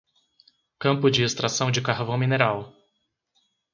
Campo de extração de carvão mineral